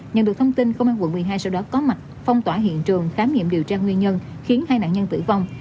nhận được thông tin công an quận một mươi hai sau đó có mặt phong tỏa hiện trường khám nghiệm điều tra nguyên nhân khiến hai nạn nhân tử vong